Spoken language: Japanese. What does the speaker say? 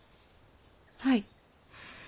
はい。